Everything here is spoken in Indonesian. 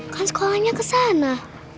kan sekolahnya kesana